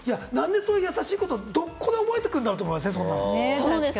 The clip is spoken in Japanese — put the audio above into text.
そんな優しい言葉、どこで覚えてくるんだろう？って思いますよね。